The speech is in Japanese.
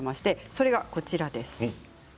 それがこちらです。